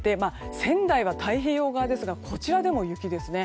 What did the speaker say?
仙台は太平洋側ですがこちらでも雪ですね。